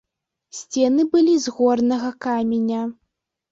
Сцены былі з горнага каменя.